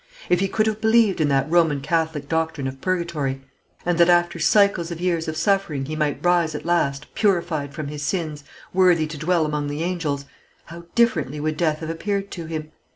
If he could have believed in that Roman Catholic doctrine of purgatory, and that after cycles of years of suffering he might rise at last, purified from his sins, worthy to dwell among the angels, how differently would death have appeared to him!